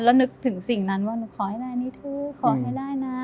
แล้วนึกถึงสิ่งนั้นว่าหนูขอให้ได้อันนี้ถูกขอให้ได้นะ